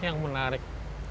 ini yang menarik